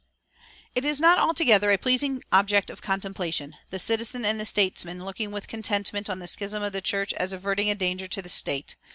It is not altogether a pleasing object of contemplation the citizen and the statesman looking with contentment on the schism of the church as averting a danger to the state.